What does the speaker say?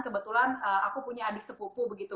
kebetulan aku punya adik sepupu begitu